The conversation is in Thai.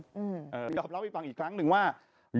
ผมก็กล้ายืนยันว่าไม่มีลองฟังพี่หนุ่มชี้แจงดูนะฮะ